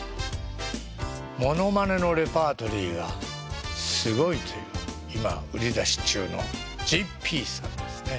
ものまねのレパートリーがすごいという今売り出し中のＪＰさんですね。